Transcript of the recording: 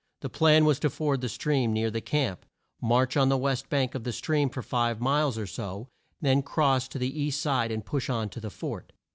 The plan was to ford the stream near the camp, march on the west bank of the stream for five miles or so, and then cross to the east side and push on to the fort.